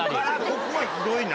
ここがひどいな。